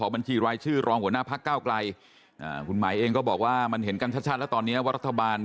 ไม่ให้จะเอาไว้ยังไงยังไม่ได้บอก